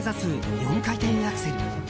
４回転アクセル。